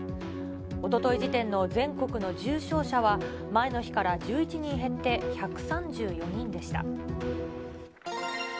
おととい時点の全国の重症者は前の日から１１人減って１３４人でした。